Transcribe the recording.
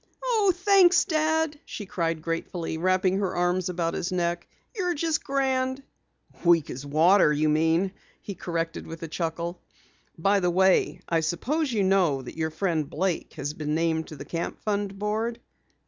"Oh, thanks, Dad!" she cried gratefully, wrapping her arms about his neck. "You're just grand!" "Weak as water, you mean," he corrected with a chuckle. "By the way, I suppose you know that your friend Blake has been named to the Camp Fund board."